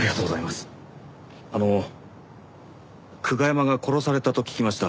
あの久我山が殺されたと聞きました。